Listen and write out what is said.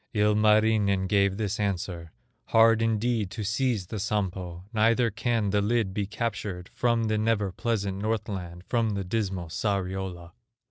Ilmarinen gave this answer: "Hard indeed to seize the Sampo, Neither can the lid be captured From the never pleasant Northland, From the dismal Sariola.